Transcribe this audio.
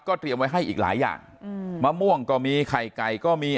เตรียมไว้ให้อีกหลายอย่างอืมมะม่วงก็มีไข่ไก่ก็มี